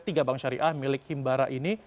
tiga bank syariah milik himbara ini